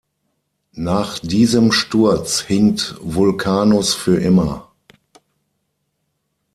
Nach diesem Sturz hinkt Vulcanus für immer.